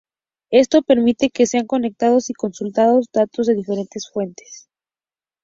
Esto permite que sean conectados y consultados datos de diferentes fuentes.